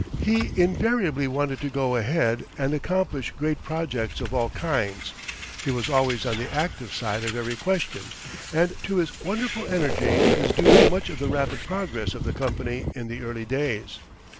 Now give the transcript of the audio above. He invariably wanted to go ahead and accomplish great projects of all kinds, he was always on the active side of every question, and to his wonderful energy is due much of the rapid progress of the company in the early days.